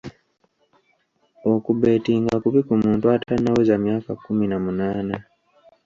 Okubetinga kubi ku muntu atannaweza myaka kkumi na munaana.